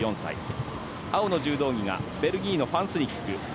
青の柔道着はベルギーのファン・スニック。